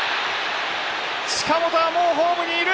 近本はもうホームにいる。